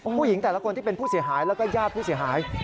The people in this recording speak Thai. ผู้หญิงแต่ละคนที่เป็นผู้เสียหายแล้วก็ญาติผู้เสียหาย